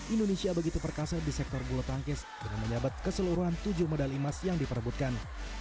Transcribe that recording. indonesia begitu perkasa di sektor bulu tangkis dengan menjabat keseluruhan tujuh medali emas yang diperebutkan